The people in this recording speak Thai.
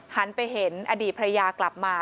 หันไปเห็นอดีตภรรยากลับมา